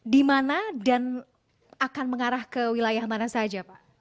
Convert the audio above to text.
di mana dan akan mengarah ke wilayah mana saja pak